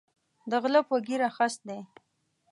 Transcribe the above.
د غلۀ پۀ ږیره خس دی